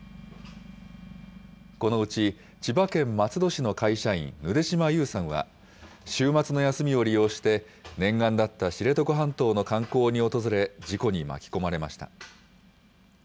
このうち、千葉県松戸市の会社員、ぬで島優さんは、週末の休みを利用して、念願だった知床半島の観光に訪れ、事故に巻き込まれました。